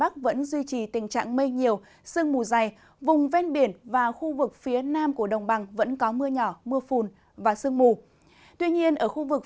thân ái chào tạm biệt